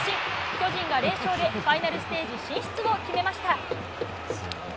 巨人が連勝でファイナルステージ進出を決めました！